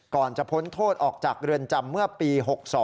ก่อนจะพ้นโทษออกจากเรือนจำเมื่อปี๖๒